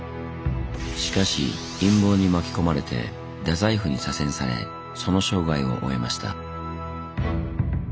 しかし陰謀に巻き込まれて大宰府に左遷されその生涯を終えました。